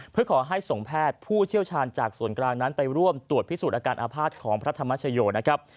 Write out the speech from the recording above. เพื่อขอให้ส่งแพทย์ผู้เชี่ยวชาญจากส่วนกลางนั้นไปร่วมตรวจพิสูจน์อาการอาภาษณ์ของพระธรรมชโยนะครับ